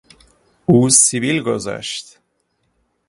او سبیل گذاشت.